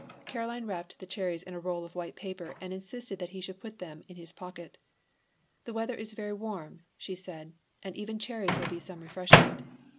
Caroline wrapped the cherries in a roll of white paper and insisted that he should put them in his pocket. "The weather is very warm," said she, "and even cherries will be some refreshment."